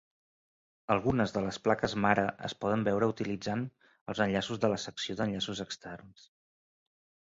Algunes de les plaques mare es poden veure utilitzant els enllaços de la secció d'enllaços externs.